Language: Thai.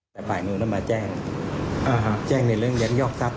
แต่ป่านหนึ่งมันมาแจ้งแจ้งในเรื่องยักยอกซัด